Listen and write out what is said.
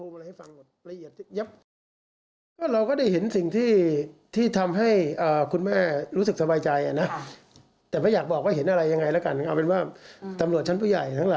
ไม่มีนะครับหลักฐานี่เห็นว่ามันนั่นนะ